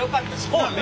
そうね